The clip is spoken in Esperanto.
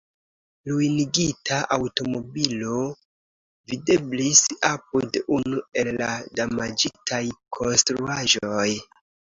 Ruinigita aŭtomobilo videblis apud unu el la damaĝitaj konstruaĵoj.